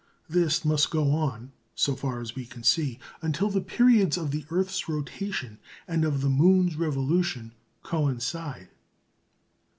This must go on (so far as we can see) until the periods of the earth's rotation and of the moon's revolution coincide.